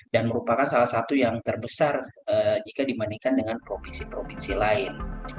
dan merupakan salah satu yang terbesar jika dibandingkan dengan provinsi provinsi lain